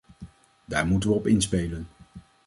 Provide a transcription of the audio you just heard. Daar moeten we op inspelen.